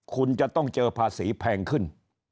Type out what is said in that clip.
คุณจะต้องเจอภาษีแพงขึ้น